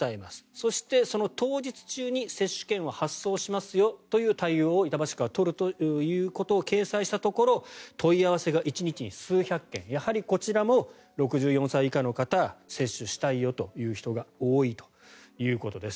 そして、その当日中に接種券を発送しますという対応を板橋区は取るということを掲載したところ問い合わせが１日に数百件やはりこちらも、６４歳以下の方接種したいという方が多いということです。